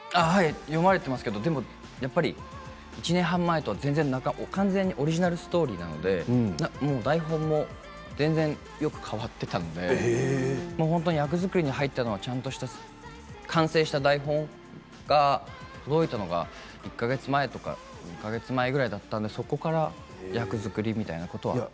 読まれていますけど１年半とは完全にオリジナルストーリーなので台本もよく変わっていたので本当に役作りに入ったのはちゃんと完成した台本が届いたのが１か月前とか２か月前くらいだったのでそこから役作りみたいなことは。